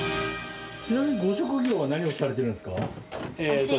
ちなみにご職業は何をされているんですか？